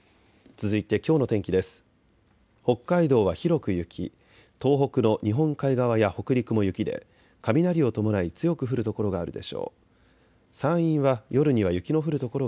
続いてきょうの天気です。